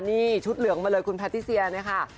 นี่ชุดเหลืองมาเลยคุณพระธิเซียนะคะ